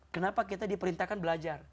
kenapa kita diperintahkan belajar